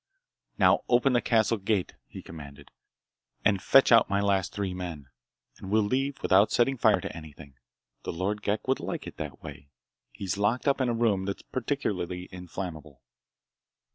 "Now open the castle gate," he commanded, "and fetch out my last three men, and we'll leave without setting fire to anything. The Lord Ghek would like it that way. He's locked up in a room that's particularly inflammable."